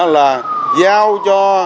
là giao cho